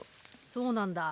そうなんだ。